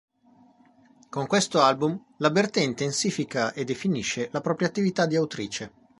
Con questo album, la Bertè intensifica e definisce la propria attività di autrice.